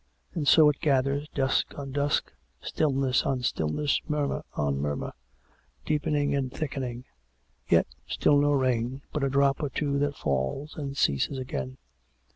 And so it gathers, dusk on dusk, stillness on stillness, murmur on murmur, deepening and thicken ing; yet still no rain, but a drop or two that falls and ceases again.